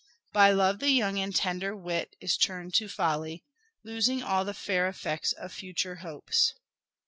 By love the young and tender wit Is turn'd to folly Losing all the fair effects of future hopes.